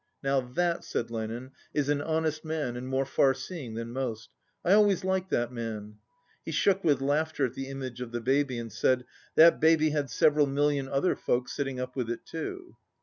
"Now that," said Lenin, "is an honest man and more far seeing than most. I always liked that man." He shook with laughter at the image of the baby, and said, "That baby had several million other folk sitting up with it too."